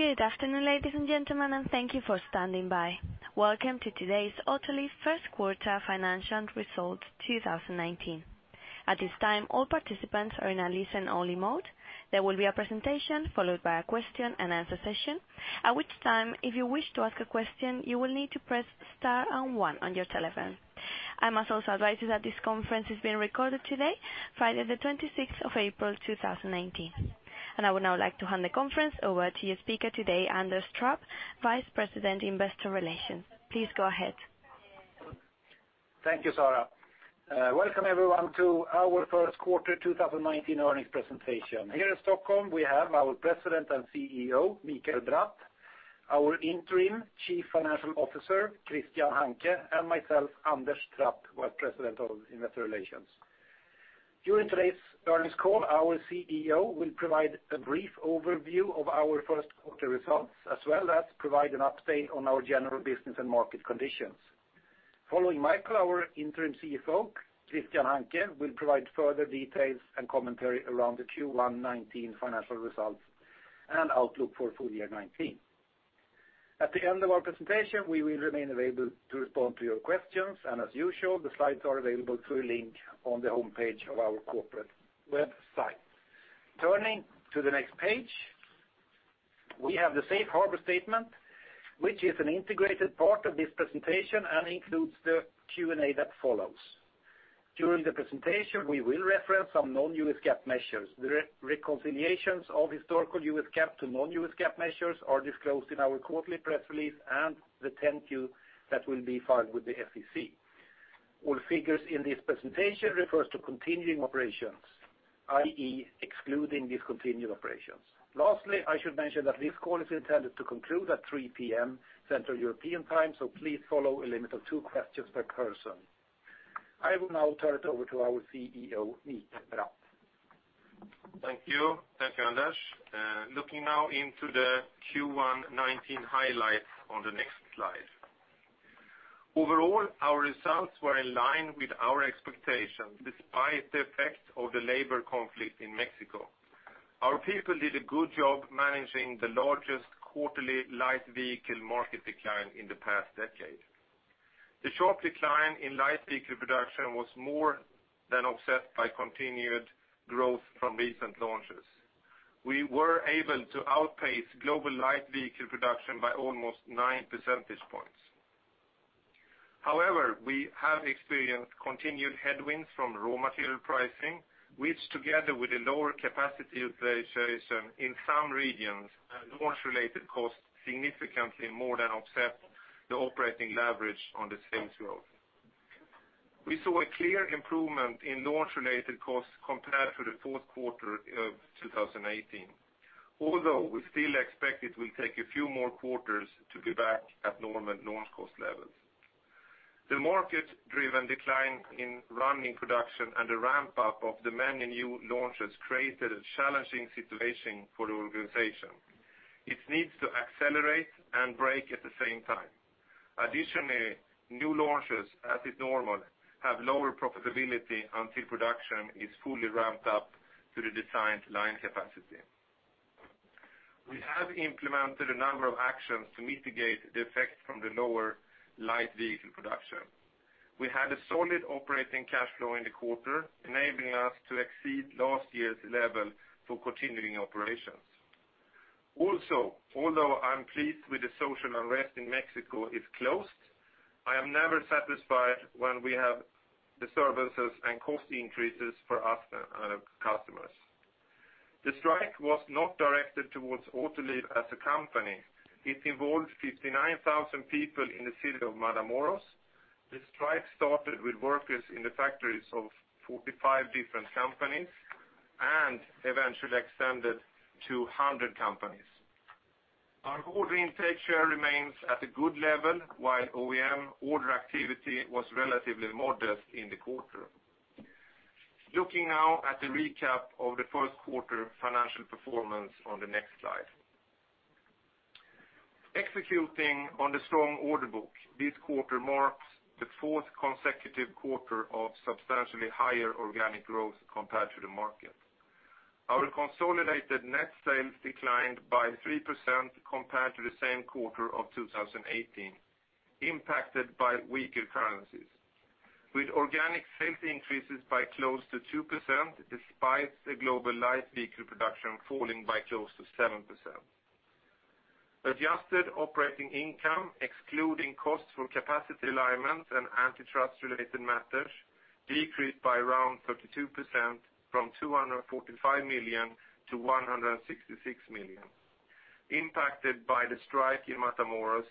Good afternoon, ladies and gentlemen, thank you for standing by. Welcome to today's Autoliv first quarter financial results 2019. At this time, all participants are in a listen-only mode. There will be a presentation followed by a question and answer session, at which time, if you wish to ask a question, you will need to press star and one on your telephone. I must also advise you that this conference is being recorded today, Friday the 26th of April, 2019. I would now like to hand the conference over to your speaker today, Anders Trapp, Vice President, Investor Relations. Please go ahead. Thank you, Sarah. Welcome, everyone, to our first quarter 2019 earnings presentation. Here in Stockholm, we have our President and CEO, Mikael Bratt, our Interim Chief Financial Officer, Christian Hanke, and myself, Anders Trapp, Vice President of Investor Relations. During today's earnings call, our CEO will provide a brief overview of our first quarter results, as well as provide an update on our general business and market conditions. Following Mikael, our Interim CFO, Christian Hanke, will provide further details and commentary around the Q1 2019 financial results and outlook for full year 2019. At the end of our presentation, we will remain available to respond to your questions. As usual, the slides are available through a link on the homepage of our corporate website. Turning to the next page, we have the safe harbor statement, which is an integrated part of this presentation and includes the Q&A that follows. During the presentation, we will reference some non-U.S. GAAP measures. The reconciliations of historical U.S. GAAP to non-U.S. GAAP measures are disclosed in our quarterly press release and the 10-Q that will be filed with the SEC. All figures in this presentation refers to continuing operations, i.e., excluding discontinued operations. Lastly, I should mention that this call is intended to conclude at 3:00 P.M. Central European Time. Please follow a limit of two questions per person. I will now turn it over to our CEO, Mikael Bratt. Thank you. Thank you, Anders. Looking now into the Q1 2019 highlights on the next slide. Overall, our results were in line with our expectations, despite the effect of the labor conflict in Mexico. Our people did a good job managing the largest quarterly light vehicle market decline in the past decade. The sharp decline in light vehicle production was more than offset by continued growth from recent launches. We were able to outpace global light vehicle production by almost nine percentage points. We have experienced continued headwinds from raw material pricing, which together with the lower capacity utilization in some regions and launch-related costs significantly more than offset the operating leverage on the sales growth. We saw a clear improvement in launch-related costs compared to the fourth quarter of 2018, although we still expect it will take a few more quarters to be back at normal launch cost levels. The market-driven decline in running production and the ramp-up of the many new launches created a challenging situation for the organization. It needs to accelerate and brake at the same time. Additionally, new launches, as is normal, have lower profitability until production is fully ramped up to the designed line capacity. We have implemented a number of actions to mitigate the effect from the lower light vehicle production. We had a solid operating cash flow in the quarter, enabling us to exceed last year's level for continuing operations. Also, although I'm pleased with the social unrest in Mexico is closed, I am never satisfied when we have disturbances and cost increases for our customers. The strike was not directed towards Autoliv as a company. It involved 59,000 people in the city of Matamoros. The strike started with workers in the factories of 45 different companies and eventually extended to 100 companies. Our order intake share remains at a good level, while OEM order activity was relatively modest in the quarter. Looking now at the recap of the first quarter financial performance on the next slide. Executing on the strong order book, this quarter marks the fourth consecutive quarter of substantially higher organic growth compared to the market. Our consolidated net sales declined by 3% compared to the same quarter of 2018, impacted by weaker currencies, with organic sales increases by close to 2% despite the global light vehicle production falling by close to 7%. Adjusted operating income, excluding costs for capacity alignment and antitrust-related matters, decreased by around 32%, from $245 million to $166 million, impacted by the strike in Matamoros,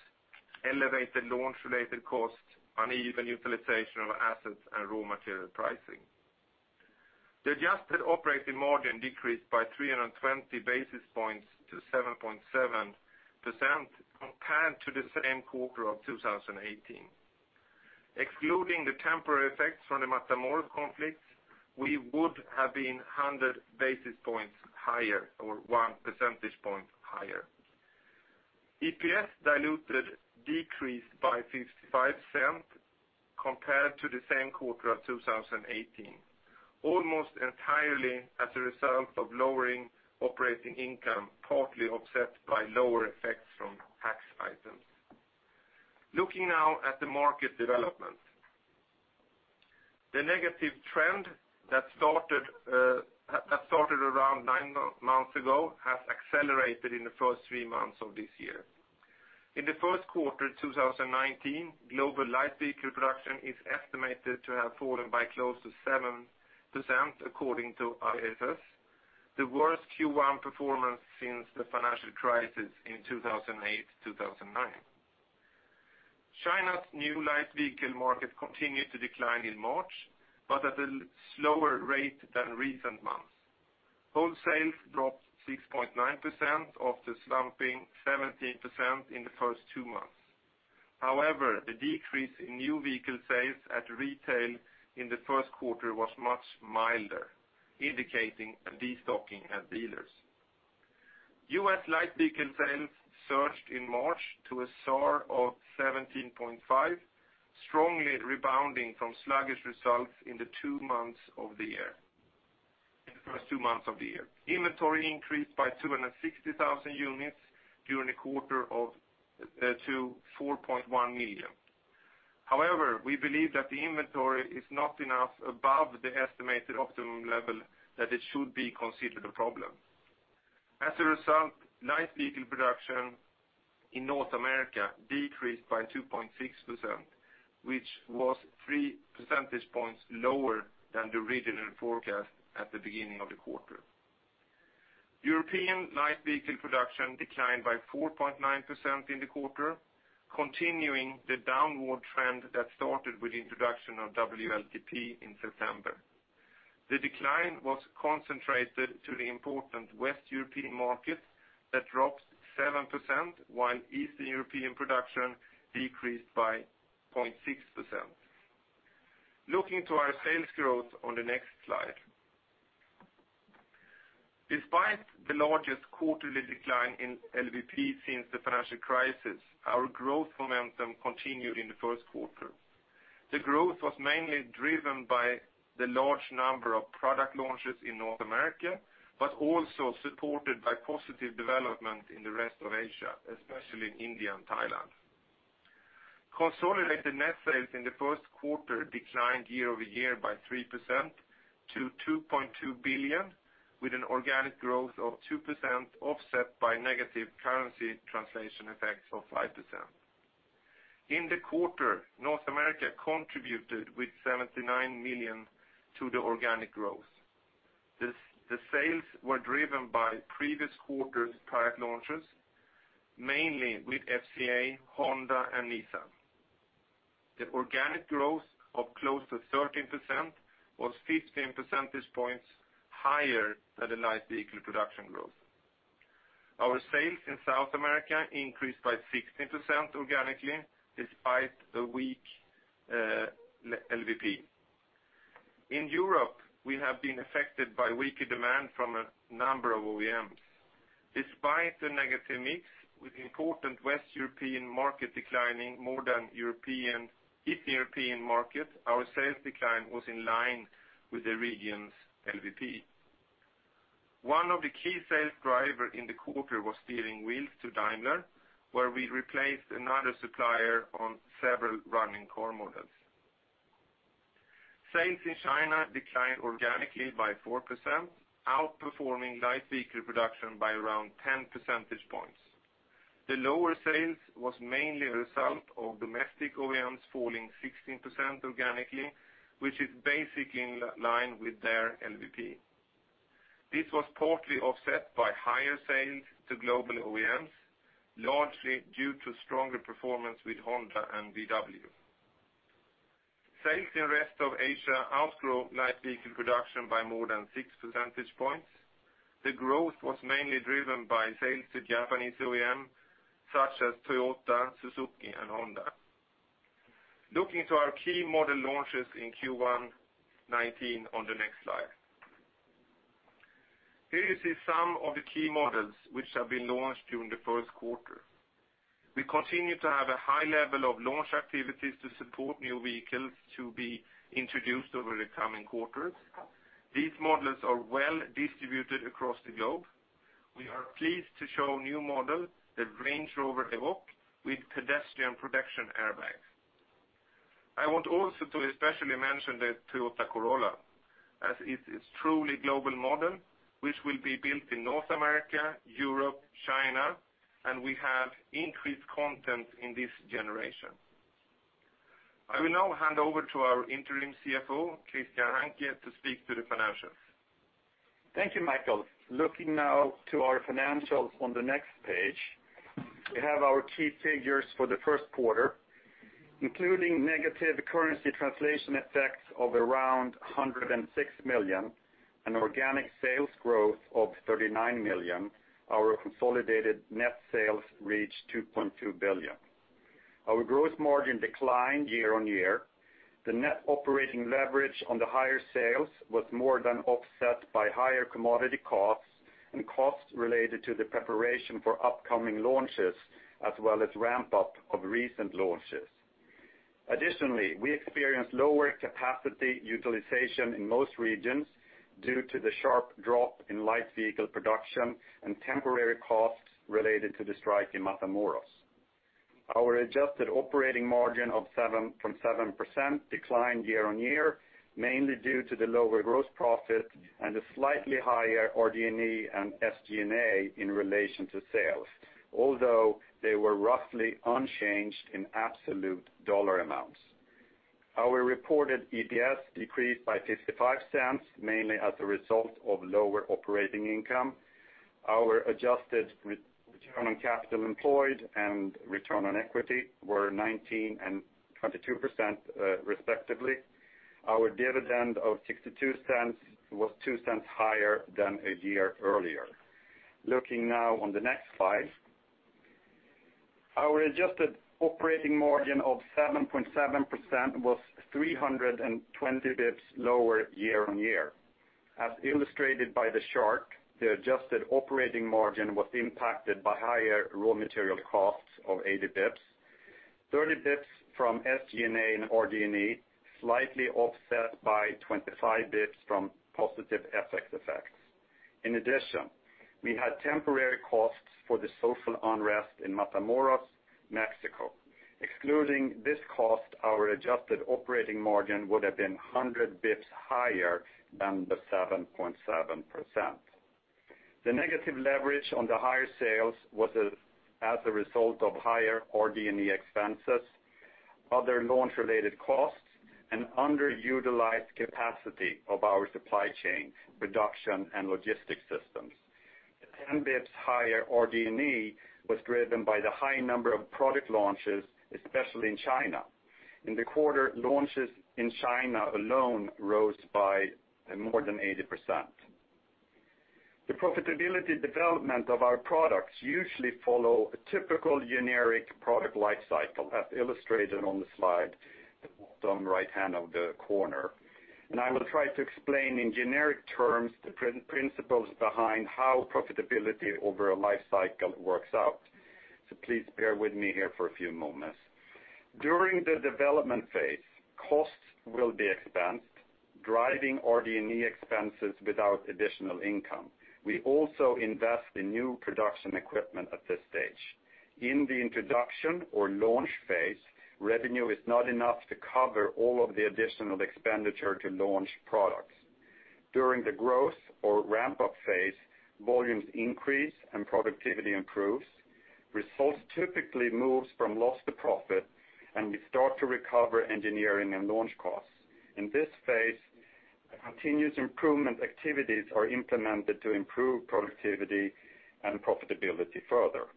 elevated launch-related costs, uneven utilization of assets, and raw material pricing. The adjusted operating margin decreased by 320 basis points to 7.7% compared to the same quarter of 2018. Excluding the temporary effects from the Matamoros conflict, we would have been 100 basis points higher, or one percentage point higher. EPS diluted decreased by $0.55 compared to the same quarter of 2018, almost entirely as a result of lowering operating income, partly offset by lower effects from tax items. Looking now at the market development. The negative trend that started around nine months ago has accelerated in the first three months of this year. In the first quarter of 2019, global light vehicle production is estimated to have fallen by close to 7%, according to IHS, the worst Q1 performance since the financial crisis in 2008, 2009. China's new light vehicle market continued to decline in March, but at a slower rate than recent months. Wholesale sales dropped 6.9% after slumping 17% in the first two months. However, the decrease in new vehicle sales at retail in the first quarter was much milder, indicating a destocking at dealers. U.S. light vehicle sales surged in March to a soar of 17.5%, strongly rebounding from sluggish results in the first two months of the year. Inventory increased by 260,000 units during the quarter to 4.1 million. However, we believe that the inventory is not enough above the estimated optimum level that it should be considered a problem. As a result, light vehicle production in North America decreased by 2.6%, which was three percentage points lower than the original forecast at the beginning of the quarter. European light vehicle production declined by 4.9% in the quarter, continuing the downward trend that started with the introduction of WLTP in September. The decline was concentrated to the important West European market that dropped 7%, while Eastern European production decreased by 0.6%. Looking to our sales growth on the next slide. Despite the largest quarterly decline in LVP since the financial crisis, our growth momentum continued in the first quarter. The growth was mainly driven by the large number of product launches in North America, but also supported by positive development in the rest of Asia, especially in India and Thailand. Consolidated net sales in the first quarter declined year-over-year by 3% to $2.2 billion, with an organic growth of 2% offset by negative currency translation effects of 5%. In the quarter, North America contributed with $79 million to the organic growth. The sales were driven by previous quarters' product launches, mainly with FCA, Honda, and Nissan. The organic growth of close to 13% was 15 percentage points higher than the light vehicle production growth. Our sales in South America increased by 16% organically despite the weak LVP. In Europe, we have been affected by weaker demand from a number of OEMs. Despite the negative mix with important West European market declining more than East European market, our sales decline was in line with the region's LVP. One of the key sales driver in the quarter was steering wheels to Daimler, where we replaced another supplier on several running car models. Sales in China declined organically by 4%, outperforming light vehicle production by around 10 percentage points. The lower sales was mainly a result of domestic OEMs falling 16% organically, which is basically in line with their LVP. This was partly offset by higher sales to global OEMs, largely due to stronger performance with Honda and VW. Sales in rest of Asia outgrew light vehicle production by more than six percentage points. The growth was mainly driven by sales to Japanese OEM, such as Toyota, Suzuki, and Honda. Looking to our key model launches in Q1 2019 on the next slide. Here you see some of the key models which have been launched during the first quarter. We continue to have a high level of launch activities to support new vehicles to be introduced over the coming quarters. These models are well distributed across the globe. We are pleased to show new models, the Range Rover Evoque with pedestrian protection airbag. I want also to especially mention the Toyota Corolla, as it is truly global model which will be built in North America, Europe, China. We have increased content in this generation. I will now hand over to our Interim Chief Financial Officer, Christian Hanke, to speak to the financials. Thank you, Mikael. Looking now to our financials on the next page, we have our key figures for the first quarter, including negative currency translation effects of around $106 million and organic sales growth of $39 million. Our consolidated net sales reached $2.2 billion. Our gross margin declined year-on-year. The net operating leverage on the higher sales was more than offset by higher commodity costs and costs related to the preparation for upcoming launches, as well as ramp-up of recent launches. Additionally, we experienced lower capacity utilization in most regions due to the sharp drop in light vehicle production and temporary costs related to the strike in Matamoros. Our adjusted operating margin of 7.7% declined year-on-year, mainly due to the lower gross profit and a slightly higher RD&E and SG&A in relation to sales. Although they were roughly unchanged in absolute dollar amounts. Our reported EPS decreased by $0.55, mainly as a result of lower operating income. Our adjusted return on capital employed and return on equity were 19% and 22%, respectively. Our dividend of $0.62 was $0.02 higher than a year earlier. Looking now on the next slide. Our adjusted operating margin of 7.7% was 320 basis points lower year-on-year. As illustrated by the chart, the adjusted operating margin was impacted by higher raw material costs of 80 basis points, 30 basis points from SG&A and RD&E, slightly offset by 25 basis points from positive FX effects. In addition, we had temporary costs for the social unrest in Matamoros, Mexico. Excluding this cost, our adjusted operating margin would have been 100 basis points higher than the 7.7%. The negative leverage on the higher sales was as a result of higher RD&E expenses, other launch-related costs, and underutilized capacity of our supply chain production and logistics systems. The 10 basis points higher RD&E was driven by the high number of product launches, especially in China. In the quarter, launches in China alone rose by more than 80%. The profitability development of our products usually follow a typical generic product life cycle, as illustrated on the slide at bottom right-hand of the corner. I will try to explain in generic terms the principles behind how profitability over a life cycle works out. Please bear with me here for a few moments. During the development phase, costs will be expensed, driving RD&E expenses without additional income. We also invest in new production equipment at this stage. In the introduction or launch phase, revenue is not enough to cover all of the additional expenditure to launch products. During the growth or ramp-up phase, volumes increase, and productivity improves. Results typically moves from loss to profit, and we start to recover engineering and launch costs. In this phase, continuous improvement activities are implemented to improve productivity and profitability further.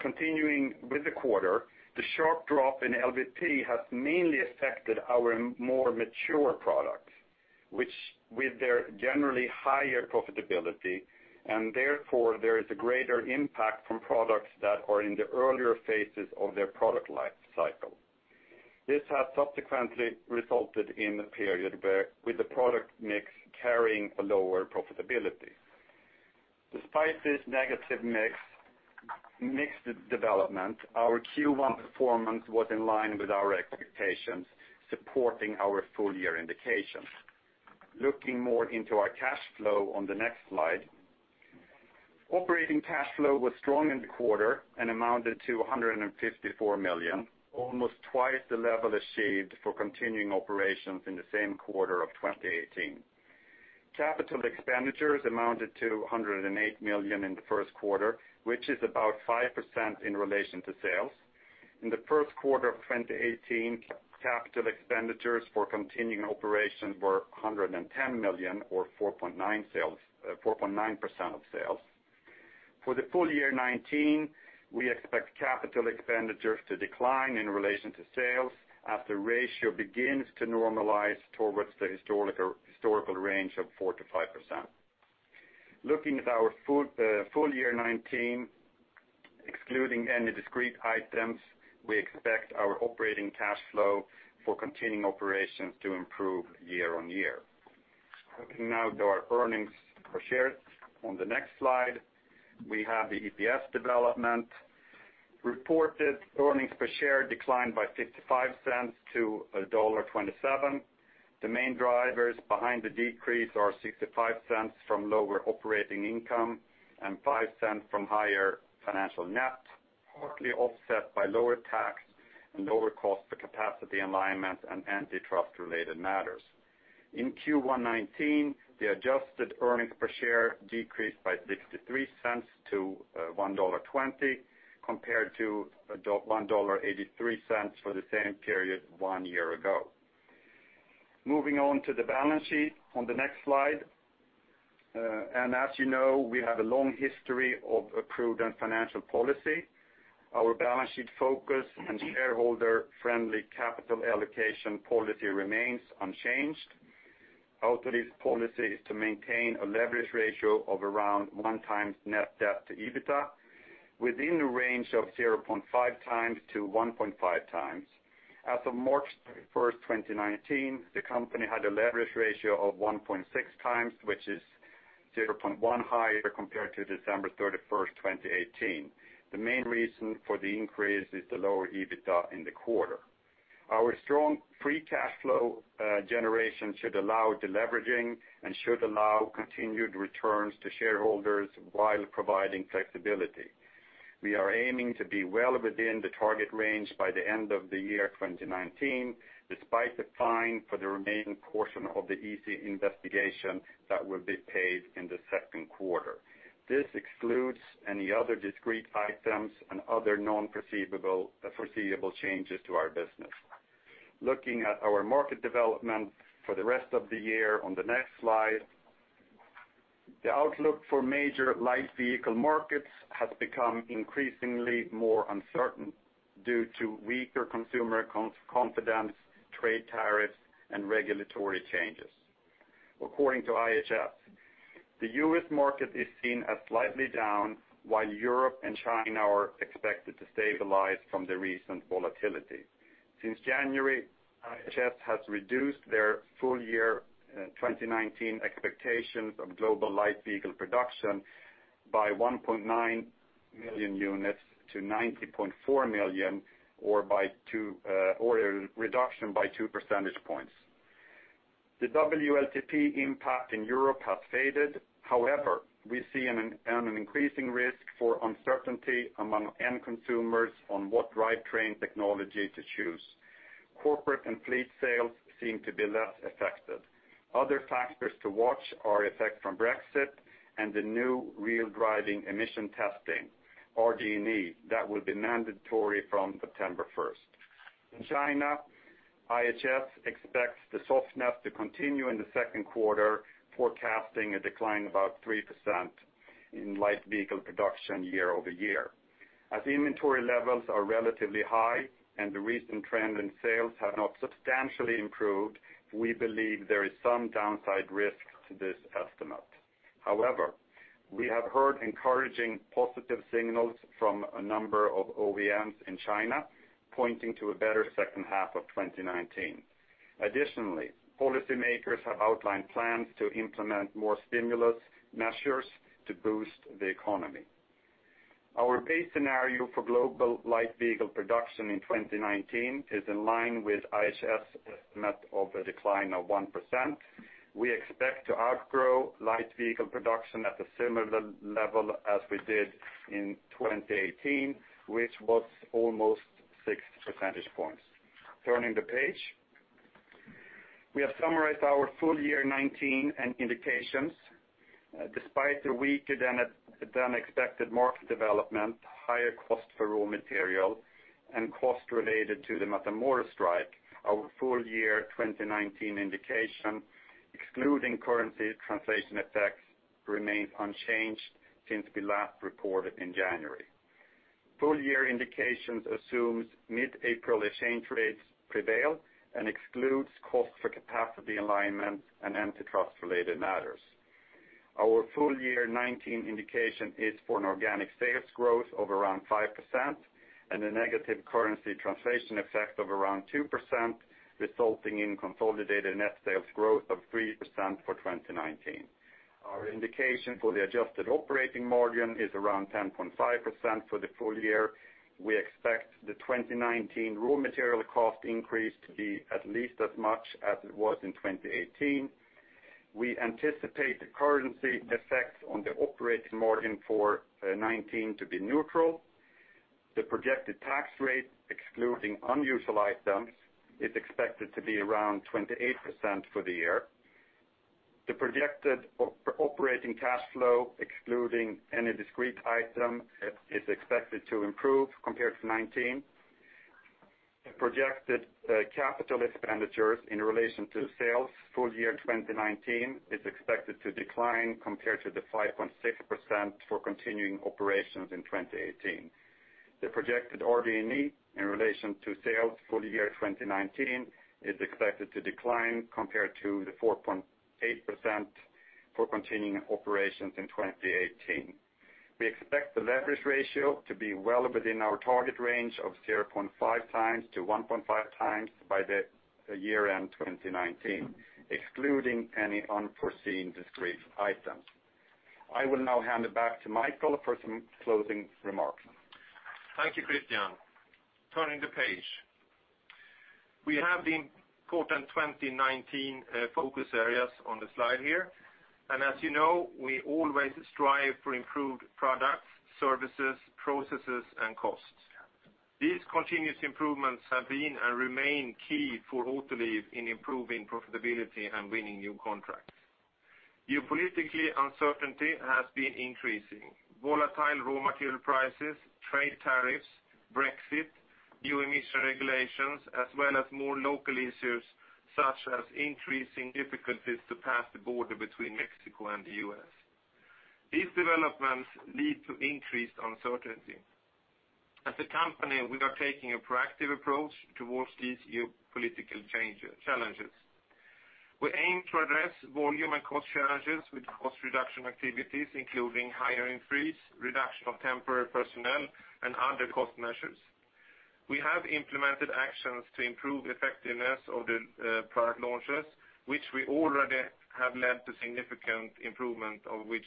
Continuing with the quarter, the sharp drop in LVP has mainly affected our more mature products, which with their generally higher profitability, and therefore there is a greater impact from products that are in the earlier phases of their product life cycle. This has subsequently resulted in a period where with the product mix carrying a lower profitability. Despite this negative mix development, our Q1 performance was in line with our expectations, supporting our full-year indications. Looking more into our cash flow on the next slide. Operating cash flow was strong in the quarter and amounted to $154 million, almost twice the level achieved for continuing operations in the same quarter of 2018. Capital expenditures amounted to $108 million in the first quarter, which is about 5% in relation to sales. In the first quarter of 2018, capital expenditures for continuing operations were $110 million or 4.9% of sales. For the full year 2019, we expect capital expenditures to decline in relation to sales as the ratio begins to normalize towards the historical range of 4%-5%. Looking at our full year 2019, excluding any discrete items, we expect our operating cash flow for continuing operations to improve year-on-year. Looking now to our earnings per share on the next slide. We have the EPS development. Reported earnings per share declined by $0.55 to $1.27. The main drivers behind the decrease are $0.65 from lower operating income and $0.05 from higher financial net, partly offset by lower tax and lower cost for capacity alignment and antitrust-related matters. In Q1 2019, the adjusted earnings per share decreased by $0.63 to $1.20, compared to $1.83 for the same period one year ago. Moving on to the balance sheet on the next slide. As you know, we have a long history of a prudent financial policy. Our balance sheet focus and shareholder-friendly capital allocation policy remains unchanged. Autoliv's policy is to maintain a leverage ratio of around one times net debt to EBITDA within the range of 0.5x-1.5x. As of March 31st, 2019, the company had a leverage ratio of 1.6x, which is 0.1x higher compared to December 31st, 2018. The main reason for the increase is the lower EBITDA in the quarter. Our strong free cash flow generation should allow deleveraging and should allow continued returns to shareholders while providing flexibility. We are aiming to be well within the target range by the end of the year 2019, despite the fine for the remaining portion of the EC investigation that will be paid in the second quarter. This excludes any other discrete items and other non-foreseeable changes to our business. Looking at our market development for the rest of the year on the next slide. The outlook for major light vehicle markets has become increasingly more uncertain due to weaker consumer confidence, trade tariffs, and regulatory changes. According to IHS, the U.S. market is seen as slightly down, while Europe and China are expected to stabilize from the recent volatility. Since January, IHS has reduced their full year 2019 expectations of global light vehicle production by 1.9 million units to 90.4 million, or a reduction by two percentage points. The WLTP impact in Europe has faded. However, we see an increasing risk for uncertainty among end consumers on what drivetrain technology to choose. Corporate and fleet sales seem to be less affected. Other factors to watch are effect from Brexit and the new Real Driving Emission testing, RD&E, that will be mandatory from September 1st. In China, IHS expects the softness to continue in the second quarter, forecasting a decline about 3% in light vehicle production year-over-year. As inventory levels are relatively high and the recent trend in sales have not substantially improved, we believe there is some downside risk to this estimate. We have heard encouraging positive signals from a number of OEMs in China, pointing to a better second half of 2019. Policymakers have outlined plans to implement more stimulus measures to boost the economy. Our base scenario for global light vehicle production in 2019 is in line with IHS estimate of a decline of 1%. We expect to outgrow light vehicle production at a similar level as we did in 2018, which was almost 6 percentage points. Turning the page. We have summarized our full year 2019 and indications. Despite a weaker than expected market development, higher cost for raw material, and cost related to the Matamoros strike, our full year 2019 indication, excluding currency translation effects, remains unchanged since we last reported in January. Full year indications assumes mid-April exchange rates prevail and excludes costs for capacity alignment and antitrust related matters. Our full year 2019 indication is for an organic sales growth of around 5% and a negative currency translation effect of around 2%, resulting in consolidated net sales growth of 3% for 2019. Our indication for the adjusted operating margin is around 10.5% for the full year. We expect the 2019 raw material cost increase to be at least as much as it was in 2018. We anticipate the currency effect on the operating margin for 2019 to be neutral. The projected tax rate, excluding unusual items, is expected to be around 28% for the year. The projected operating cash flow, excluding any discrete item, is expected to improve compared to 2019. The projected capital expenditures in relation to sales full year 2019 is expected to decline compared to the 5.6% for continuing operations in 2018. The projected RD&E in relation to sales full year 2019 is expected to decline compared to the 4.8% for continuing operations in 2018. We expect the leverage ratio to be well within our target range of 0.5x-1.5x by the year-end 2019, excluding any unforeseen discrete items. I will now hand it back to Mikael for some closing remarks. Thank you, Christian. Turning the page. We have the important 2019 focus areas on the slide here. As you know, we always strive for improved products, services, processes, and costs. These continuous improvements have been and remain key for Autoliv in improving profitability and winning new contracts. Geopolitically, uncertainty has been increasing. Volatile raw material prices, trade tariffs, Brexit, new emission regulations, as well as more local issues such as increasing difficulties to pass the border between Mexico and the U.S. These developments lead to increased uncertainty. As a company, we are taking a proactive approach towards these geopolitical challenges. We aim to address volume and cost challenges with cost reduction activities, including hiring freeze, reduction of temporary personnel, and other cost measures. We have implemented actions to improve effectiveness of the product launches, which we already have led to significant improvement, of which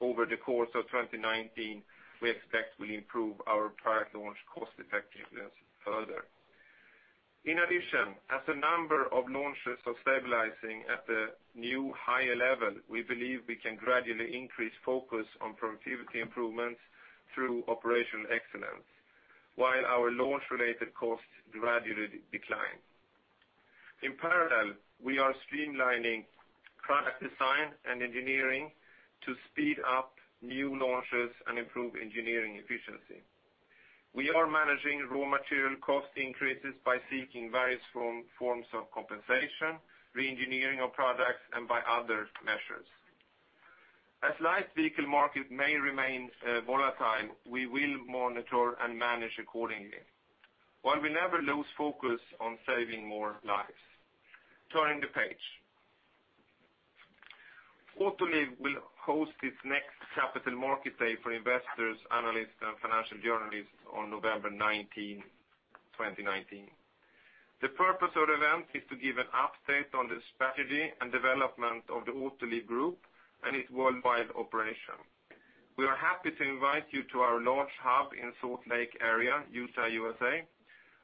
over the course of 2019, we expect will improve our product launch cost effectiveness further. As the number of launches are stabilizing at the new higher level, we believe we can gradually increase focus on productivity improvements through operational excellence while our launch-related costs gradually decline. In parallel, we are streamlining product design and engineering to speed up new launches and improve engineering efficiency. We are managing raw material cost increases by seeking various forms of compensation, re-engineering of products, and by other measures. Light vehicle market may remain volatile, we will monitor and manage accordingly while we never lose focus on saving more lives. Turning the page. Autoliv will host its next Capital Markets Day for investors, analysts, and financial journalists on November 19, 2019. The purpose of the event is to give an update on the strategy and development of the Autoliv Group and its worldwide operation. We are happy to invite you to our launch hub in Salt Lake area, Utah, U.S.,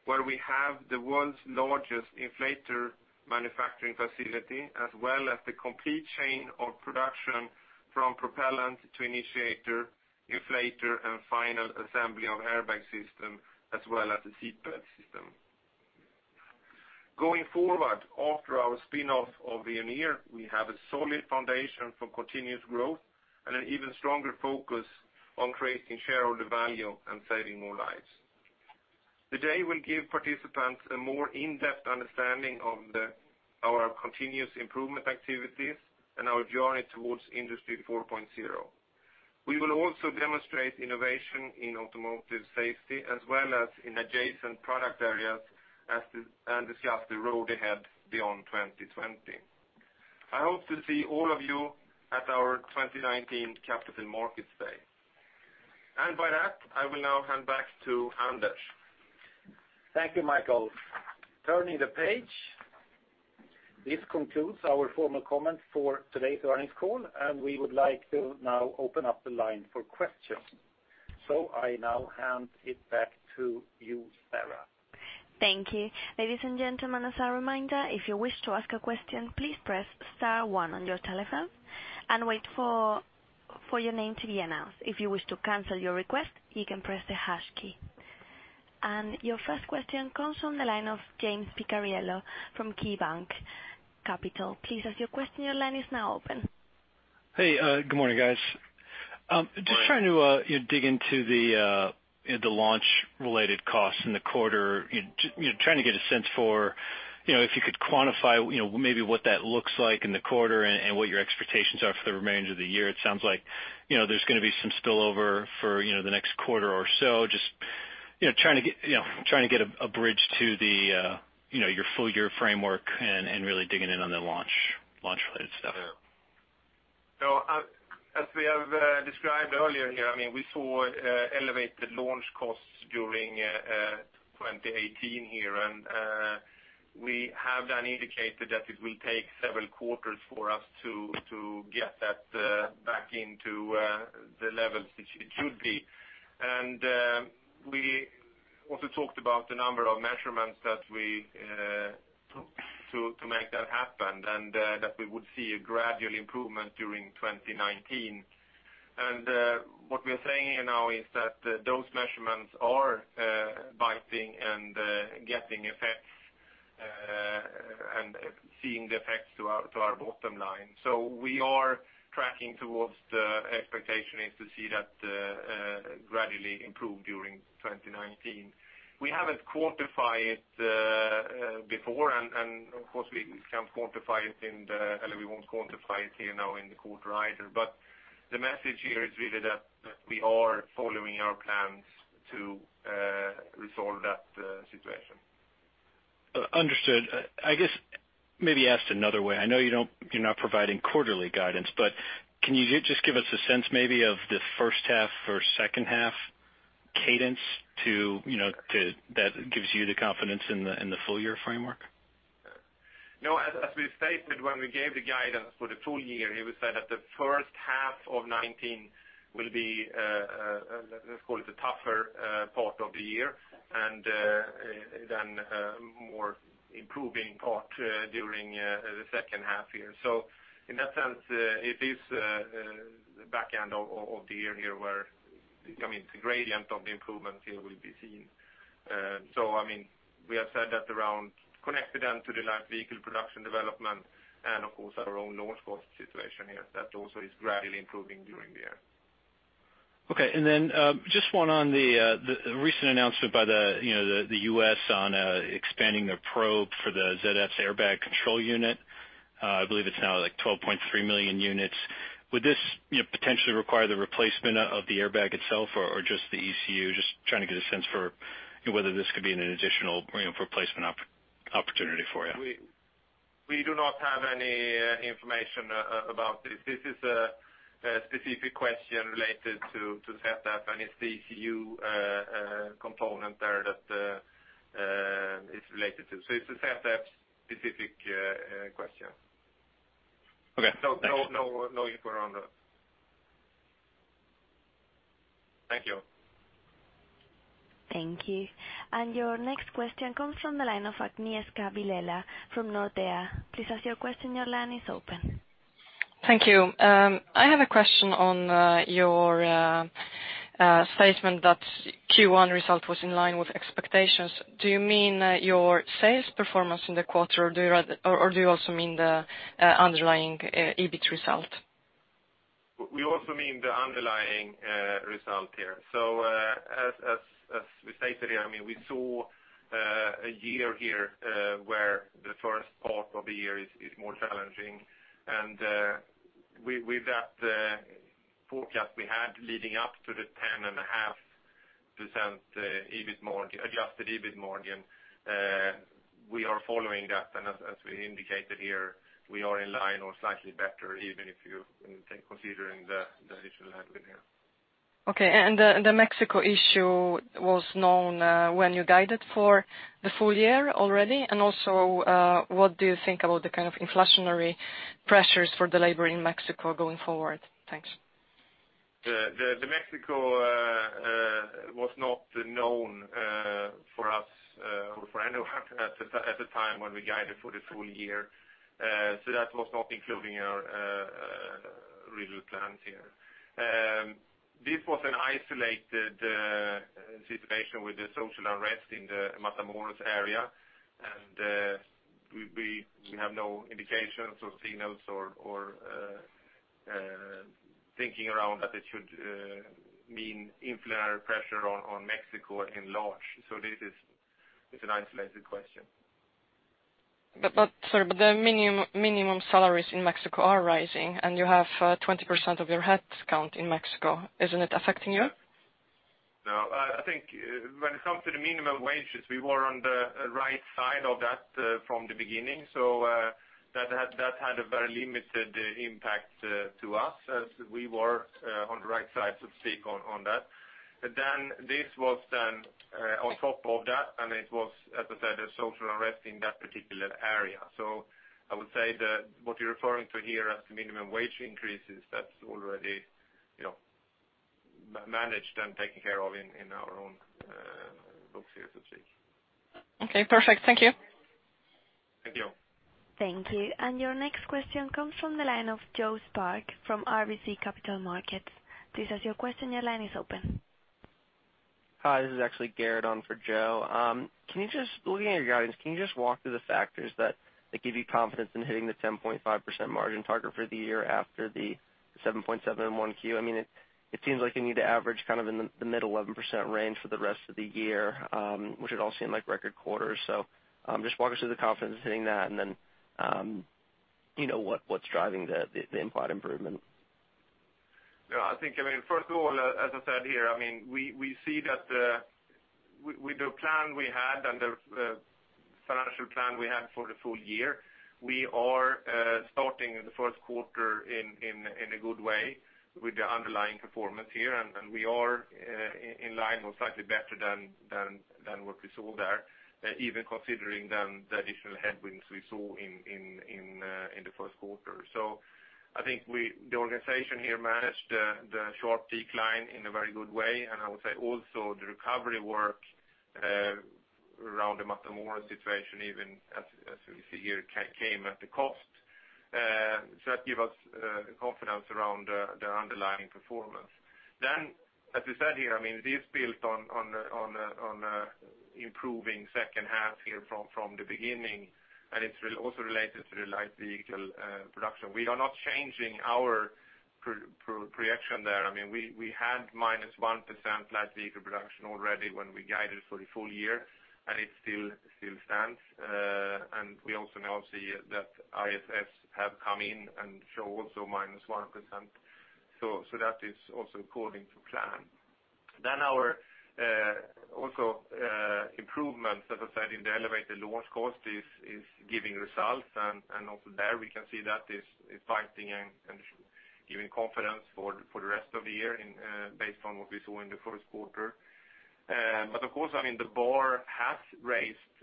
where we have the world's largest inflator manufacturing facility, as well as the complete chain of production from propellant to initiator, inflator, and final assembly of airbag system, as well as the seatbelt system. Going forward, after our spin-off of Veoneer, we have a solid foundation for continuous growth and an even stronger focus on creating shareholder value and saving more lives. The day will give participants a more in-depth understanding of our continuous improvement activities and our journey towards Industry 4.0. We will also demonstrate innovation in automotive safety as well as in adjacent product areas and discuss the road ahead beyond 2020. I hope to see all of you at our 2019 Capital Markets Day. By that, I will now hand back to Anders. Thank you, Mikael. Turning the page. This concludes our formal comments for today's earnings call. We would like to now open up the line for questions. I now hand it back to you, Sarah. Thank you. Ladies and gentlemen, as a reminder, if you wish to ask a question, please press star one on your telephone and wait for your name to be announced. If you wish to cancel your request, you can press the hash key. Your first question comes from the line of James Picariello from KeyBanc Capital. Please ask your question. Your line is now open. Hey, good morning, guys. Good morning. Just trying to dig into the launch-related costs in the quarter. Trying to get a sense for if you could quantify maybe what that looks like in the quarter and what your expectations are for the remainder of the year. It sounds like there's going to be some spillover for the next quarter or so. Just trying to get a bridge to your full-year framework and really digging in on the launch-related stuff there. As we have described earlier here, we saw elevated launch costs during 2018, and we have then indicated that it will take several quarters for us to get that back into the levels it should be. We also talked about the number of measurements that we took to make that happen, and that we would see a gradual improvement during 2019. What we are saying here now is that those measurements are biting and getting effects, and seeing the effects to our bottom line. We are tracking towards the expectation is to see that gradually improve during 2019. We haven't quantified it before, and of course we can't quantify it in the. We won't quantify it here now in the quarter either. The message here is really that we are following our plans to resolve that situation. Understood. I guess, maybe asked another way. I know you're not providing quarterly guidance, but can you just give us a sense maybe of the first half or second half cadence that gives you the confidence in the full year framework? No. As we stated when we gave the guidance for the full year, it was said that the first half of 2019 will be, let's call it, the tougher part of the year, and then a more improving part during the second half year. In that sense, it is the back end of the year here where the gradient of the improvements here will be seen. We have said that around connected and to the light vehicle production development and, of course, our own launch cost situation here, that also is gradually improving during the year. Okay. Then just one on the recent announcement by the U.S. on expanding the probe for the ZF's airbag control unit. I believe it's now like 12.3 million units. Would this potentially require the replacement of the airbag itself or just the ECU? Just trying to get a sense for whether this could be an additional replacement opportunity for you. We do not have any information about this. This is a specific question related to TRW and its ECU component there that it's related to. It's a TRW specific question. Okay. Thanks. No info around that. Thank you. Thank you. Your next question comes from the line of Agnieszka Vilela from Nordea. Please ask your question, your line is open. Thank you. I have a question on your statement that Q1 result was in line with expectations. Do you mean your sales performance in the quarter, or do you also mean the underlying EBIT result? We also mean the underlying result here. As we stated here, we saw a year here where the first part of the year is more challenging. With that forecast we had leading up to the 10.5% adjusted EBIT margin, we are following that. As we indicated here, we are in line or slightly better even if you take considering the issue that happened here. Okay. The Mexico issue was known when you guided for the full year already? Also, what do you think about the kind of inflationary pressures for the labor in Mexico going forward? Thanks. The Mexico was not known for us, or for anyone at the time when we guided for the full year. That was not including our review plans here. This was an isolated situation with the social unrest in the Matamoros area, we have no indications or signals or thinking around that it should mean inflationary pressure on Mexico at large. This is an isolated question. Sorry, but the minimum salaries in Mexico are rising, and you have 20% of your headcount in Mexico. Isn't it affecting you? No, I think when it comes to the minimum wages, we were on the right side of that from the beginning. That had a very limited impact to us as we were on the right side, so to speak, on that. This was then on top of that, and it was, as I said, a social unrest in that particular area. I would say that what you're referring to here as the minimum wage increases, that's already managed and taken care of in our own books here, so to speak. Okay, perfect. Thank you. Thank you. Thank you. Your next question comes from the line of Joe Spak from RBC Capital Markets. Please ask your question, your line is open. Hi, this is actually Garrett on for Joe. Looking at your guidance, can you just walk through the factors that give you confidence in hitting the 10.5% margin target for the year after the 7.7% in Q1? It seems like you need to average kind of in the mid-11% range for the rest of the year, which would all seem like record quarters. Just walk us through the confidence in hitting that, and then what's driving the implied improvement? First of all, as I said here, we see that with the plan we had and the financial plan we had for the full year, we are starting the first quarter in a good way with the underlying performance here, and we are in line or slightly better than what we saw there, even considering the additional headwinds we saw in the first quarter. I think the organization here managed the sharp decline in a very good way, and I would say also the recovery work around the Matamoros situation, even as we see here, came at a cost. That give us confidence around the underlying performance. As we said here, this built on improving second half here from the beginning, and it's also related to the light vehicle production. We are not changing our projection there. We had -1% light vehicle production already when we guided for the full year, and it still stands. We also now see that IHS Markit have come in and show also -1%. That is also according to plan. Our also improvement, as I said, in the elevated launch cost is giving results. Also there we can see that is fighting and giving confidence for the rest of the year based on what we saw in the first quarter. Of course, the bar has raised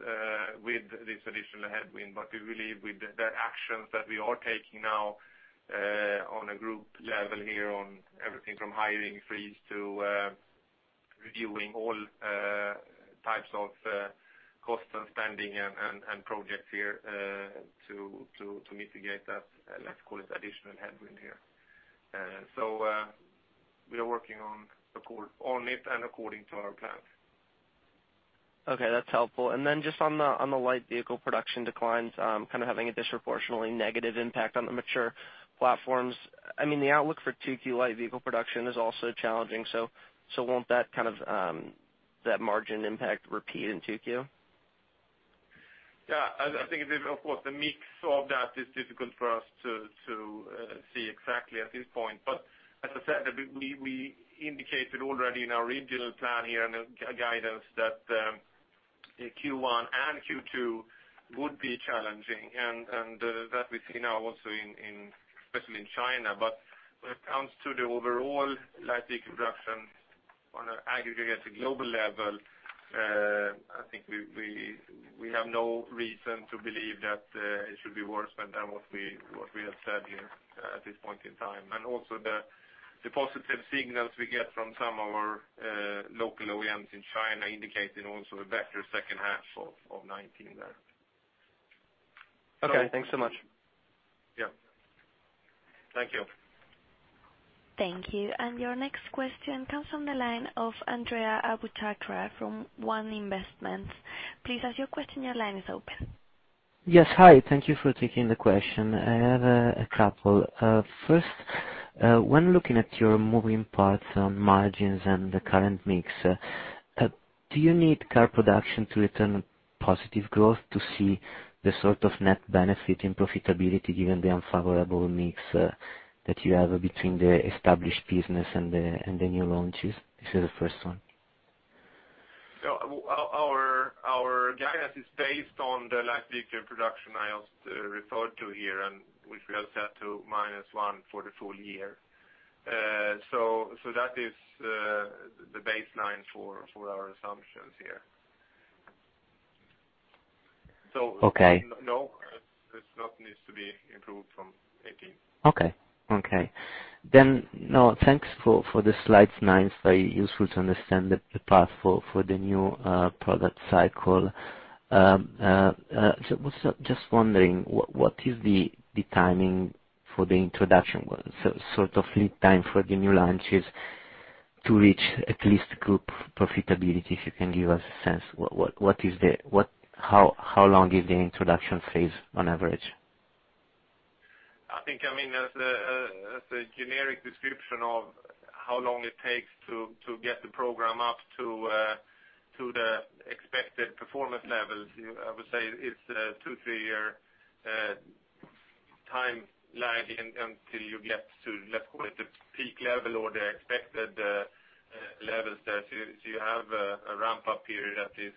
with this additional headwind, but we believe with the actions that we are taking now on a group level here on everything from hiring freeze to reviewing all types of cost of spending and projects here to mitigate that, let's call it additional headwind here. We are working on it and according to our plan. Okay, that's helpful. Just on the light vehicle production declines kind of having a disproportionately negative impact on the mature platforms. The outlook for 2Q light vehicle production is also challenging. Won't that margin impact repeat in 2Q? I think of course the mix of that is difficult for us to see exactly at this point. As I said, we indicated already in our regional plan here and guidance that Q1 and Q2 would be challenging, and that we see now also especially in China. When it comes to the overall light vehicle production on an aggregate global level, I think we have no reason to believe that it should be worse than what we have said here at this point in time. Also the positive signals we get from some of our local OEMs in China indicating also a better second half of 2019 there. Okay, thanks so much. Yeah. Thank you. Thank you. Your next question comes from the line of Andrea Abouchacra from One Investments. Please ask your question, your line is open. Yes, hi. Thank you for taking the question. I have a couple. First, when looking at your moving parts on margins and the current mix, do you need car production to return positive growth to see the sort of net benefit in profitability given the unfavorable mix that you have between the established business and the new launches? This is the first one. Our guidance is based on the light vehicle production I also referred to here, which we have set to -1% for the full year. That is the baseline for our assumptions here. Okay. No, this not needs to be improved from 2018. Okay. Thanks for the slides nine, is very useful to understand the path for the new product cycle. Just wondering, what is the timing for the introduction? Sort of lead time for the new launches to reach at least group profitability, if you can give us a sense, how long is the introduction phase on average? I think, as a generic description of how long it takes to get the program up to the expected performance levels, I would say it's a two, three-year timeline until you get to, let's call it, the peak level or the expected levels there. You have a ramp-up period that is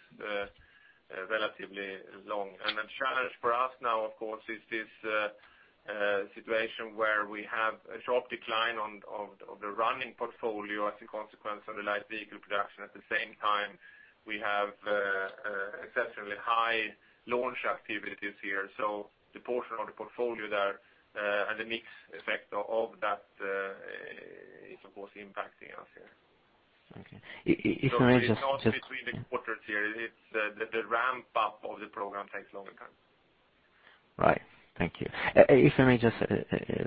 relatively long. The challenge for us now, of course, is this situation where we have a sharp decline of the running portfolio as a consequence of the light vehicle production. At the same time, we have exceptionally high launch activities here. The portion of the portfolio there and the mix effect of that is, of course, impacting us here. Okay. If I may It's not between the quarters here. The ramp-up of the program takes longer time. Right. Thank you. If I may just,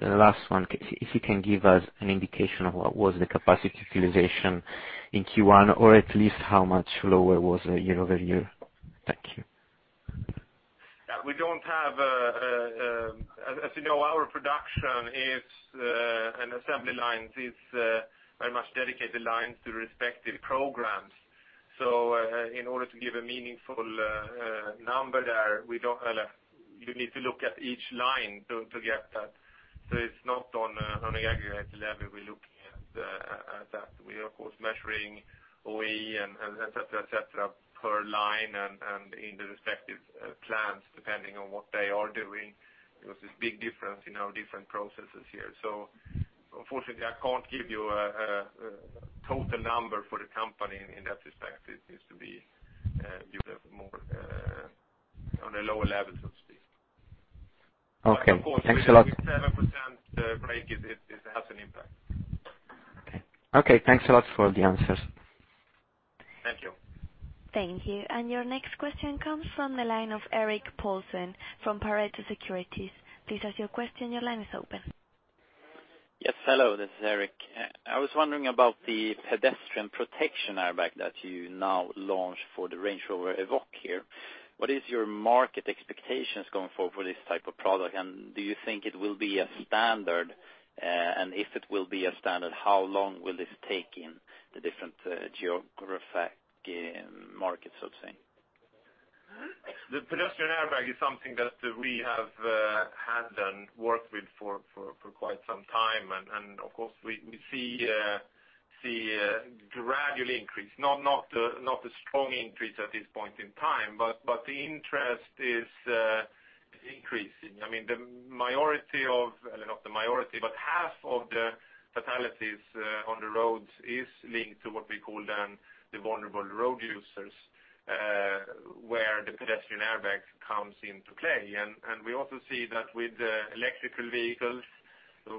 last one, if you can give us an indication of what was the capacity utilization in Q1, or at least how much lower was it year-over-year. Thank you. As you know, our production and assembly lines is very much dedicated lines to respective programs. In order to give a meaningful number there, you need to look at each line to get that. It's not on aggregate level we're looking at that. We are, of course, measuring OEE, et cetera, per line and in the respective plants, depending on what they are doing, because there's big difference in our different processes here. Unfortunately, I can't give you a total number for the company in that respect. It needs to be viewed more on a lower level, so to speak. Okay. Thanks a lot. Of course, with 7% break, it has an impact. Okay, thanks a lot for the answers. Thank you. Thank you. Your next question comes from the line of Erik Paulsson from Pareto Securities. Please ask your question, your line is open. Yes. Hello, this is Erik. I was wondering about the pedestrian protection airbag that you now launch for the Range Rover Evoque here. What is your market expectations going forward for this type of product? Do you think it will be a standard? If it will be a standard, how long will this take in the different geographic markets, sort of saying? The pedestrian airbag is something that we have had and worked with for quite some time. Of course, we see a gradual increase, not a strong increase at this point in time, but the interest is increasing. Half of the fatalities on the roads is linked to what we call then the vulnerable road users, where the Pedestrian Protection Airbag comes into play. We also see that with electrical vehicles,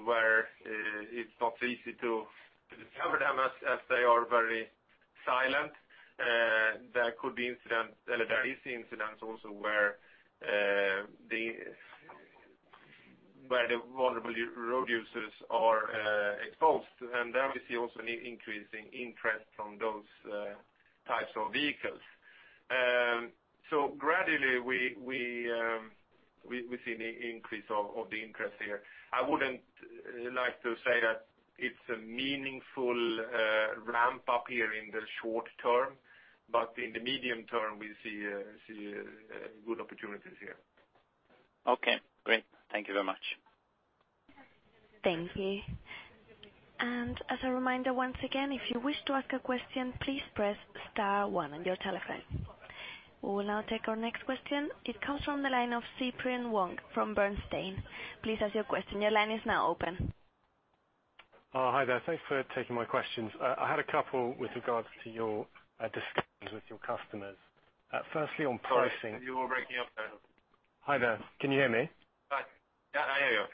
where it is not easy to discover them as they are very silent. There are incidents also where the vulnerable road users are exposed. There we see also an increasing interest from those types of vehicles. Gradually, we see the increase of the interest here. I would not like to say that it is a meaningful ramp-up here in the short term, but in the medium term, we see good opportunities here. Okay, great. Thank you very much. Thank you. As a reminder, once again, if you wish to ask a question, please press star one on your telephone. We will now take our next question. It comes from the line of Cyprian Wong from Bernstein. Please ask your question. Your line is now open. Hi there. Thanks for taking my questions. I had a couple with regards to your discussions with your customers. Firstly, on pricing- Sorry, you are breaking up there. Hi there. Can you hear me? Yeah, I hear you.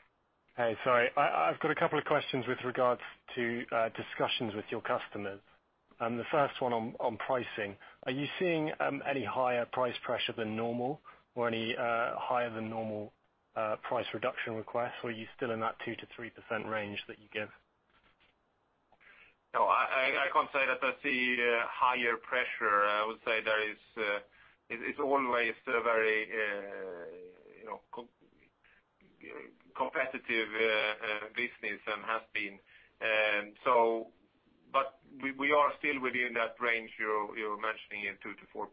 Okay, sorry. I've got a couple of questions with regards to discussions with your customers, the first one on pricing. Are you seeing any higher price pressure than normal, or any higher than normal price reduction requests? Are you still in that 2%-3% range that you give? No, I can't say that I see a higher pressure. I would say it's always a very competitive business and has been. We are still within that range you're mentioning, in 2%-4%.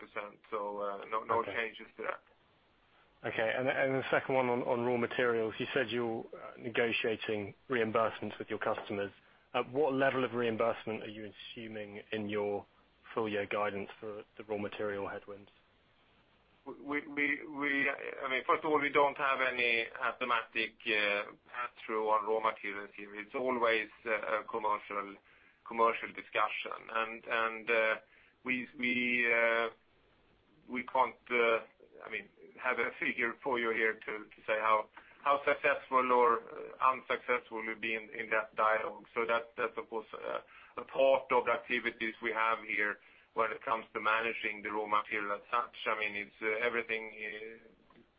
No changes to that. Okay. The second one on raw materials, you said you're negotiating reimbursements with your customers. At what level of reimbursement are you assuming in your full year guidance for the raw material headwinds? First of all, we don't have any automatic pass-through on raw materials here. It's always a commercial discussion. We can't have a figure for you here to say how successful or unsuccessful we've been in that dialogue. That, of course, a part of the activities we have here when it comes to managing the raw material as such, it's everything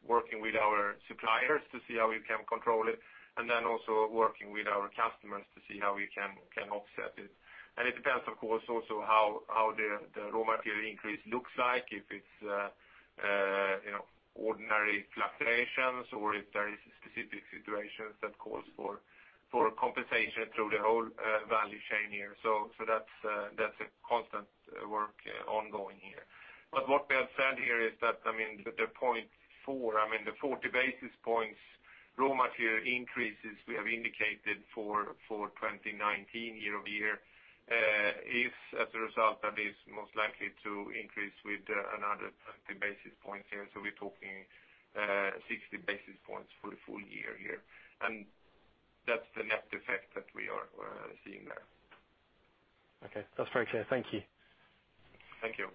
working with our suppliers to see how we can control it, and then also working with our customers to see how we can offset it. It depends, of course, also how the raw material increase looks like, if it's ordinary fluctuations or if there is specific situations that calls for compensation through the whole value chain here. That's a constant work ongoing here. What we have said here is that the 40 basis points raw material increases we have indicated for 2019 year-over-year is as a result that is most likely to increase with another 20 basis points here. We're talking 60 basis points for the full year here, and that's the net effect that we are seeing there. Okay. That's very clear. Thank you. Thank you.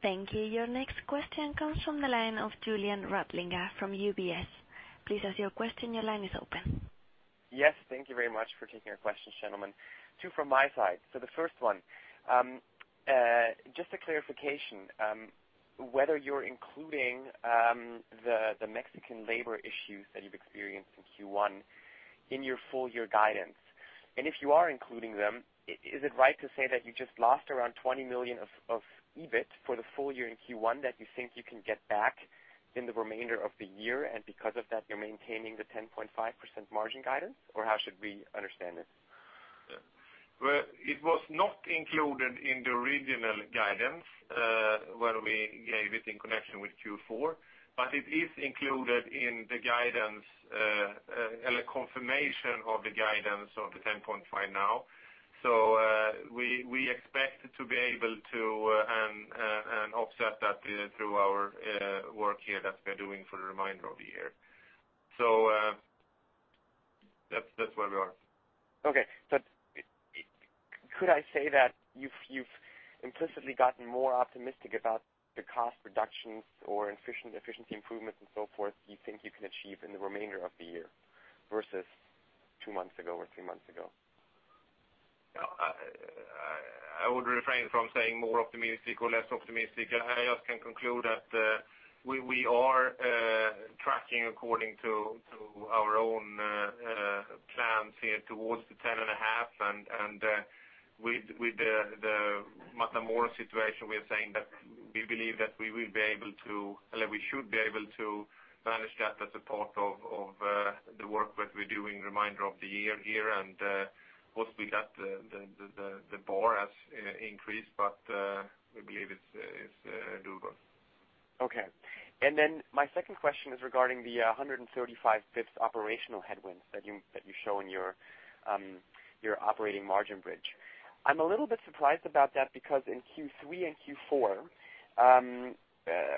Thank you. Your next question comes from the line of Julian Radlinger from UBS. Please ask your question. Your line is open. Yes, thank you very much for taking our questions, gentlemen. Two from my side. The first one, just a clarification, whether you're including the Mexican labor issues that you've experienced in Q1 in your full year guidance. If you are including them, is it right to say that you just lost around $20 million of EBIT for the full year in Q1 that you think you can get back in the remainder of the year, and because of that, you're maintaining the 10.5% margin guidance? Or how should we understand this? Well, it was not included in the original guidance, where we gave it in connection with Q4, but it is included in the guidance and a confirmation of the guidance of the 10.5% now. We expect to be able to offset that through our work here that we are doing for the remainder of the year. That's where we are. Could I say that you've implicitly gotten more optimistic about the cost reductions or efficiency improvements and so forth you think you can achieve in the remainder of the year versus two months ago or three months ago? I would refrain from saying more optimistic or less optimistic. I just can conclude that we are tracking according to our own plans here towards the 10.5%, and with the Matamoros situation, we are saying that we believe that we should be able to manage that as a part of the work that we do in the remainder of the year here, and possibly that the bar has increased, but we believe it's doable. Okay. Then my second question is regarding the 135 basis points operational headwinds that you show in your operating margin bridge. I'm a little bit surprised about that because in Q3 and Q4,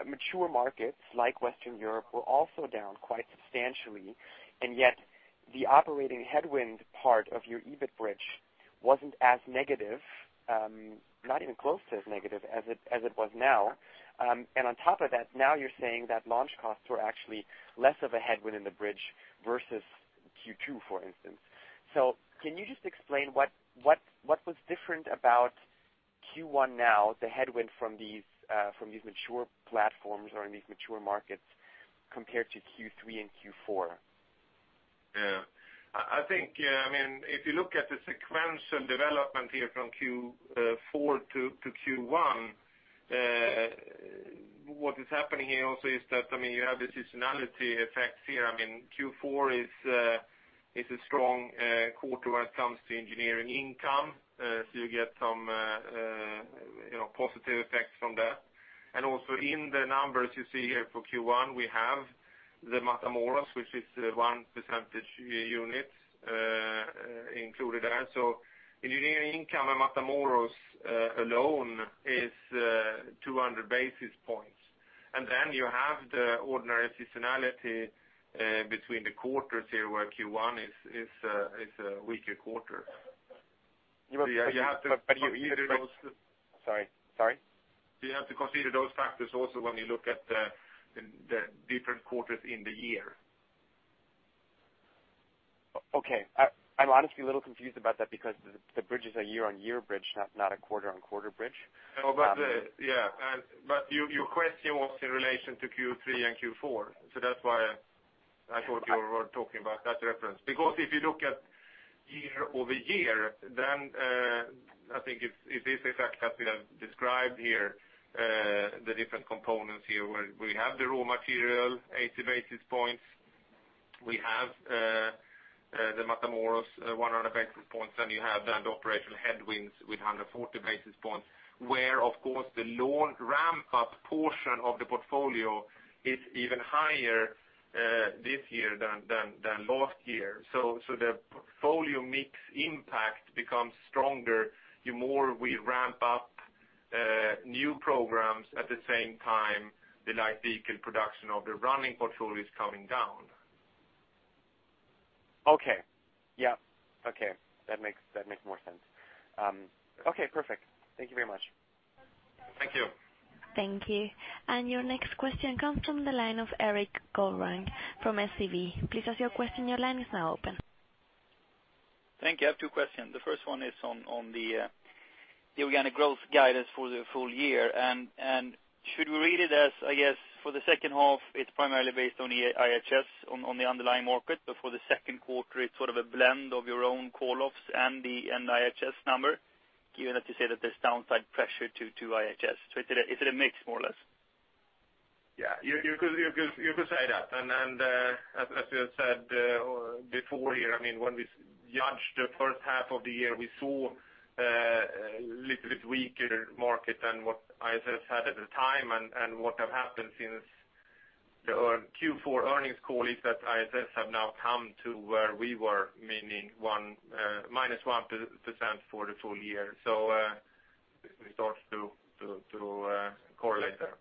mature markets like Western Europe were also down quite substantially, and yet the operating headwind part of your EBIT bridge wasn't as negative, not even close to as negative as it was now. On top of that, now you're saying that launch costs were actually less of a headwind in the bridge versus Q2, for instance. Can you just explain what was different about Q1 now, the headwind from these mature platforms or in these mature markets compared to Q3 and Q4? Yeah. If you look at the sequential development here from Q4 to Q1, what is happening here also is that you have the seasonality effects here. Q4 It's a strong quarter when it comes to engineering income. You get some positive effects from that. Also in the numbers you see here for Q1, we have the Matamoros, which is 1% units included there. Engineering income and Matamoros alone is 200 basis points. You have the ordinary seasonality between the quarters here, where Q1 is a weaker quarter. You have. You have to consider those. Sorry. You have to consider those factors also when you look at the different quarters in the year. Okay. I'm honestly a little confused about that because the bridge is a year-on-year bridge, not a quarter-on-quarter bridge. Your question was in relation to Q3 and Q4, that's why I thought you were talking about that reference. If you look at year-over-year, I think it's this effect that we have described here, the different components here, where we have the raw material, 80 basis points. We have the Matamoros, 100 basis points. You have the operational headwinds with 140 basis points, where, of course, the loan ramp-up portion of the portfolio is even higher this year than last year. The portfolio mix impact becomes stronger the more we ramp up new programs at the same time, the light vehicle production of the running portfolio is coming down. Okay. Yeah. Okay. That makes more sense. Okay, perfect. Thank you very much. Thank you. Thank you. Your next question comes from the line of Erik Golrang from SEB. Please ask your question. Your line is now open. Thank you. I have two questions. The first one is on the organic growth guidance for the full year. Should we read it as, I guess, for the second half, it's primarily based on the IHS on the underlying market, but for the second quarter it's sort of a blend of your own call-offs and the IHS number, given that you say that there's downside pressure to IHS. Is it a mix, more or less? Yeah, you could say that. As we have said before here, when we judged the first half of the year, we saw a little bit weaker market than what IHS had at the time. What have happened since our Q4 earnings call is that IHS have now come to where we were, meaning minus 1% for the full year. It starts to correlate there.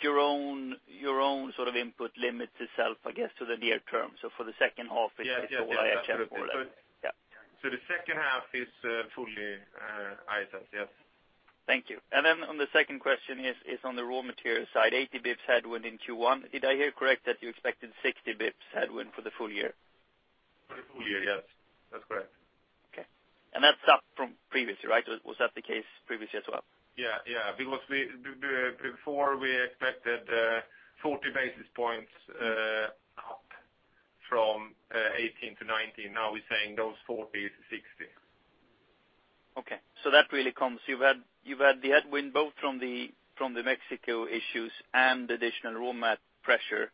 Your own sort of input limits itself, I guess, to the near term. For the second half it's- Yeah. The IHS model. Yeah. The second half is fully IHS. Yes. Thank you. On the second question is on the raw material side, 80 basis points headwind in Q1. Did I hear correct that you expected 60 basis points headwind for the full year? For the full year, yes. That's correct. Okay. That's up from previously, right? Was that the case previously as well? Yeah. Because before we expected 40 basis points up from 2018 to 2019. Now we're saying those 40 is 60. Okay. You've had the headwind both from the Mexico issues and additional raw mat pressure,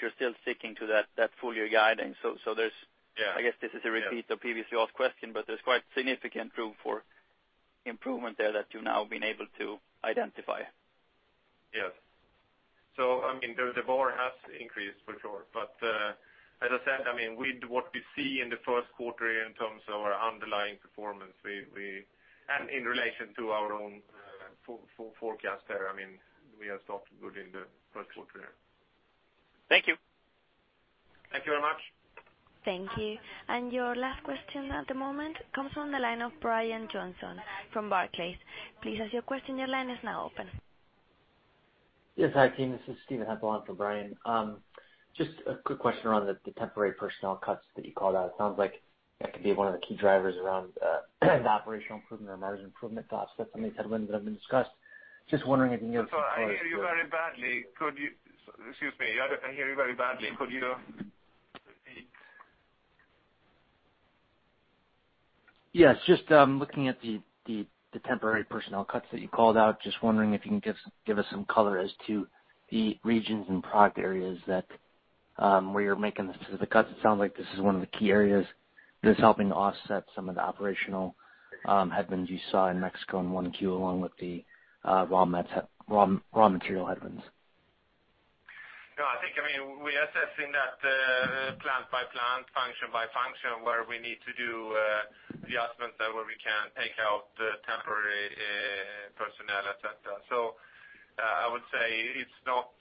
you're still sticking to that full year guidance. Yeah. There's, I guess this is a repeat of previously asked question, there's quite significant room for improvement there that you've now been able to identify. Yes. The bar has increased for sure. As I said, with what we see in the first quarter in terms of our underlying performance, and in relation to our own forecast there, we have started good in the first quarter. Thank you. Thank you very much. Thank you. Your last question at the moment comes from the line of Brian Johnson from Barclays. Please ask your question. Your line is now open. Yes, hi, team, this is Steven Hempel on for Brian. Just a quick question around the temporary personnel cuts that you called out. It sounds like that could be one of the key drivers around the operational improvement or margin improvement to offset some of these headwinds that have been discussed. Just wondering if you can give us- Sorry, I hear you very badly. Excuse me, I hear you very badly. Could you repeat? Yes. Just looking at the temporary personnel cuts that you called out, just wondering if you can give us some color as to the regions and product areas where you're making the cuts. It sounds like this is one of the key areas that's helping offset some of the operational headwinds you saw in Mexico in 1Q, along with the raw material headwinds. No, I think, we are assessing that plant by plant, function by function, where we need to do adjustments where we can take out the temporary personnel, et cetera. I would say it's not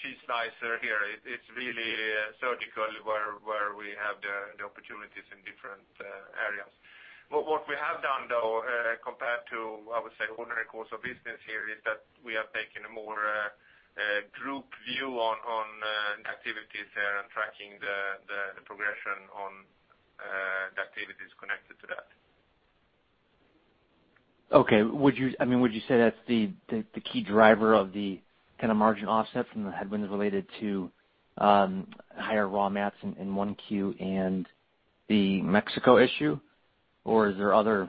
a cheese slicer here. It's really surgical where we have the opportunities in different areas. What we have done, though, compared to, I would say, ordinary course of business here, is that we are taking a more group view on activities there and tracking the progression on the activities connected to that. Okay. Would you say that's the key driver of the kind of margin offset from the headwinds related to higher raw mats in 1Q and the Mexico issue? Is there other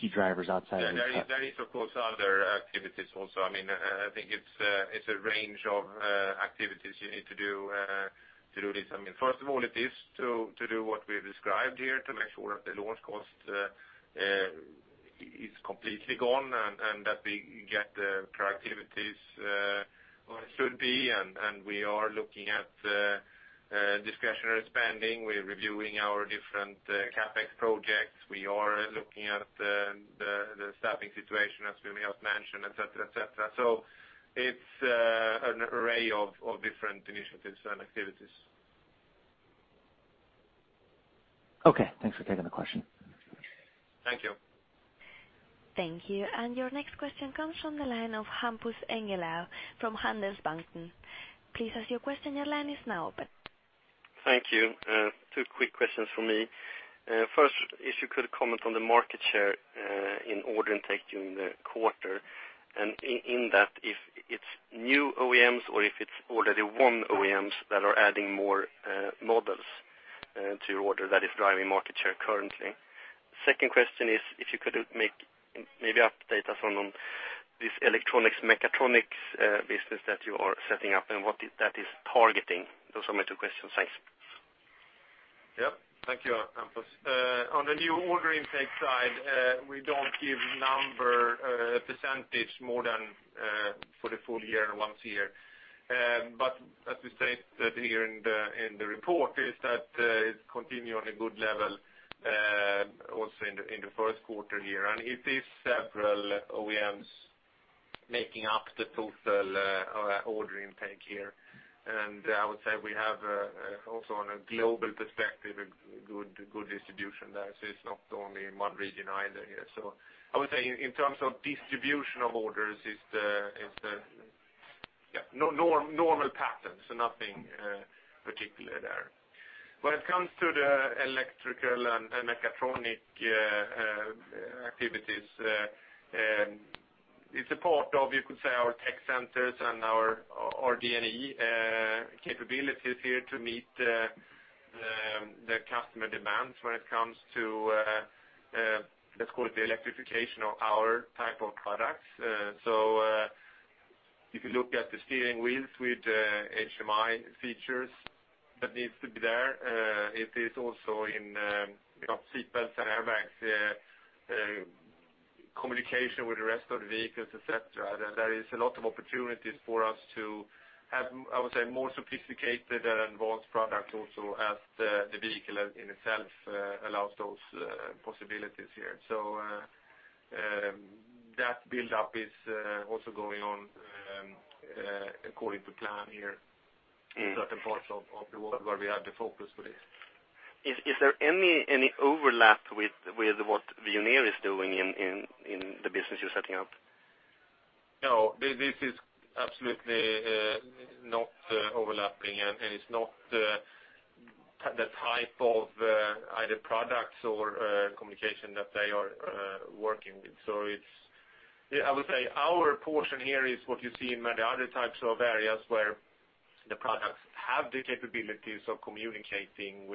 key drivers outside of that? There is, of course, other activities also. I think it's a range of activities you need to do to do this. First of all, it is to do what we've described here to make sure that the launch cost is completely gone and that we get the productivities where it should be, and we are looking at discretionary spending. We are reviewing our different CapEx projects. We are looking at the staffing situation as we have mentioned, et cetera. It's an array of different initiatives and activities. Okay, thanks for taking the question. Thank you. Thank you. Your next question comes from the line of Hampus Engellau from Handelsbanken. Please ask your question. Your line is now open. Thank you. Two quick questions from me. First, if you could comment on the market share in order intake during the quarter, and in that, if it's new OEMs or if it's already won OEMs that are adding more models to order that is driving market share currently. Second question is, if you could update us on this electronics, mechatronics business that you are setting up and what that is targeting. Those are my two questions. Thanks. Yep. Thank you, Hampus. On the new order intake side, we don't give number percentage more than for the full year and once a year. As we state it here in the report is that it's continuing on a good level also in the first quarter here. It is several OEMs making up the total order intake here. I would say we have also on a global perspective, a good distribution there. It's not only in one region either here. I would say in terms of distribution of orders, it's the normal patterns, nothing particular there. When it comes to the electrical and mechatronic activities, it's a part of our tech centers and our RD&E capabilities here to meet the customer demands when it comes to, let's call it, the electrification of our type of products. If you look at the steering wheels with HMI features that needs to be there, it is also in seat belts and airbags, communication with the rest of the vehicles, et cetera. There is a lot of opportunities for us to have, I would say, more sophisticated and advanced product also as the vehicle in itself allows those possibilities here. That buildup is also going on according to plan here in certain parts of the world where we have the focus for this. Is there any overlap with what Veoneer is doing in the business you're setting up? No, this is absolutely not overlapping, and it is not the type of either products or communication that they are working with. I would say our portion here is what you see in many other types of areas where the products have the capabilities of communicating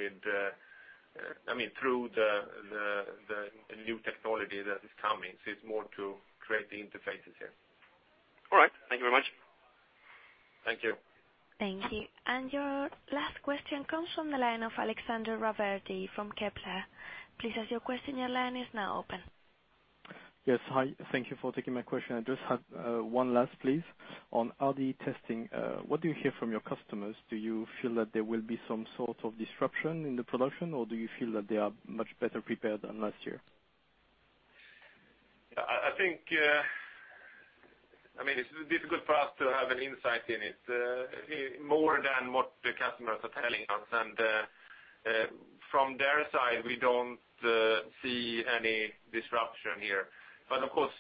through the new technology that is coming. It is more to create the interfaces here. All right. Thank you very much. Thank you. Thank you. Your last question comes from the line of Alexandre Raverdy from Kepler. Please ask your question. Your line is now open. Yes. Hi, thank you for taking my question. I just had one last, please, on R&D testing. What do you hear from your customers? Do you feel that there will be some sort of disruption in the production, or do you feel that they are much better prepared than last year? It's difficult for us to have an insight in it more than what the customers are telling us. From their side, we don't see any disruption here. Of course,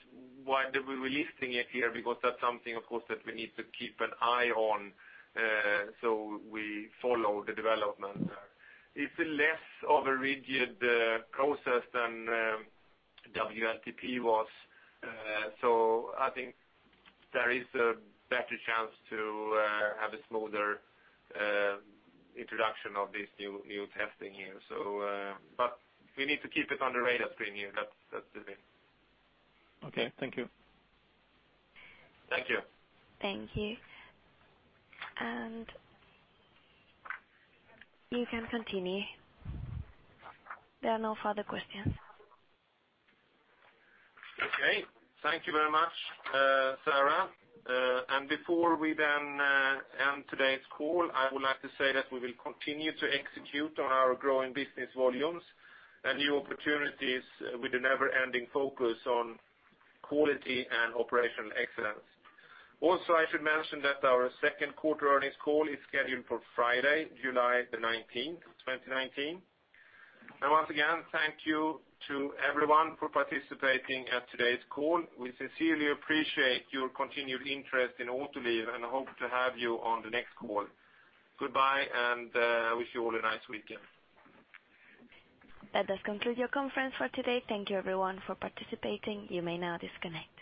why they were releasing it here, because that's something, of course, that we need to keep an eye on, so we follow the development there. It's less of a rigid process than WLTP was. I think there is a better chance to have a smoother introduction of this new testing here. We need to keep it on the radar screen here. That's the thing. Okay. Thank you. Thank you. Thank you. You can continue. There are no further questions. Okay. Thank you very much, Sarah. Before we then end today's call, I would like to say that we will continue to execute on our growing business volumes and new opportunities with a never-ending focus on quality and operational excellence. Also, I should mention that our second quarter earnings call is scheduled for Friday, July the 19th of 2019. Once again, thank you to everyone for participating at today's call. We sincerely appreciate your continued interest in Autoliv and hope to have you on the next call. Goodbye, and I wish you all a nice weekend. That does conclude your conference for today. Thank you, everyone, for participating. You may now disconnect.